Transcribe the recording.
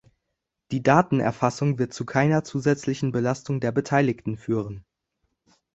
Die Datenerfassung wird zu keiner zusätzlichen Belastung der Beteiligten führen.